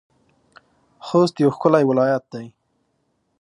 خوست يو ښکلی ولايت دی.